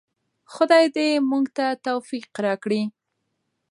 خدای دې موږ ته توفیق راکړي.